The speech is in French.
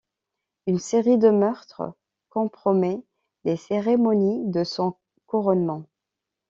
Une série de meurtres compromet les cérémonies de son couronnement.